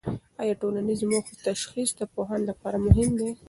آیا د ټولنیزو موخو تشخیص د پوهاند لپاره مهم دی؟